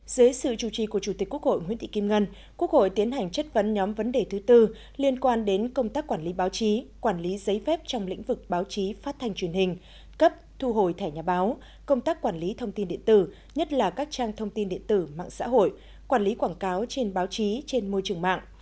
dưới sự chủ trì của chủ tịch quốc hội nguyễn thị kim ngân quốc hội tiến hành chất vấn nhóm vấn đề thứ tư liên quan đến công tác quản lý báo chí quản lý giấy phép trong lĩnh vực báo chí phát thanh truyền hình cấp thu hồi thẻ nhà báo công tác quản lý thông tin điện tử nhất là các trang thông tin điện tử mạng xã hội quản lý quảng cáo trên báo chí trên môi trường mạng